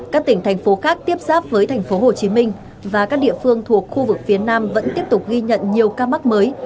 các tỉnh thành phố khác tiếp sáp với tp hcm và các địa phương thuộc khu vực phía nam vẫn tiếp tục ghi nhận nhiều ca mắc mới